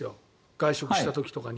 外食した時とかに。